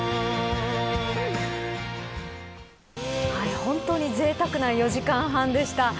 本当にぜいたくな４時間半でした。